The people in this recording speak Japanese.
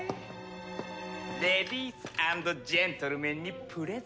レディースアンドジェントルメンにプレゼント。